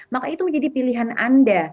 maka itu menjadi pilihan anda